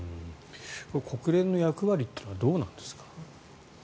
国連の役割というのはどうなんですか？